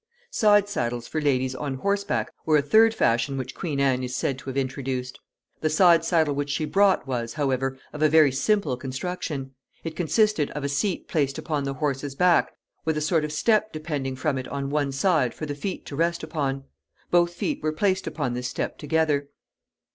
Side saddles for ladies on horseback were a third fashion which Queen Anne is said to have introduced. The side saddle which she brought was, however, of a very simple construction. It consisted of a seat placed upon the horse's back, with a sort of step depending from it on one side for the feet to rest upon. Both feet were placed upon this step together.